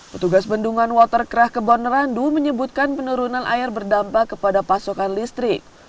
petugas bendungan watercraft kebonerandu menyebutkan penurunan air berdampak kepada pasokan listrik